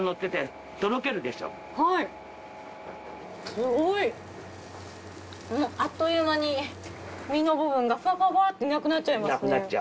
すごい。あっという間に身の部分がフワフワフワっていなくなっちゃいますね。